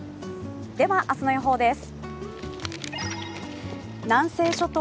では明日の予報です。